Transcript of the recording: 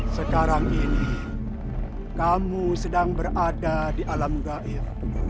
sekarang ini kamu sedang berada di alam gair